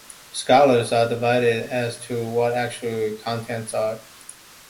Scholars are divided as to what the actual contents are.